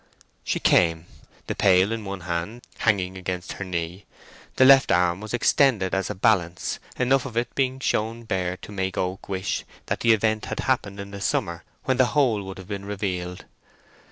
She came, the pail in one hand, hanging against her knee. The left arm was extended as a balance, enough of it being shown bare to make Oak wish that the event had happened in the summer, when the whole would have been revealed.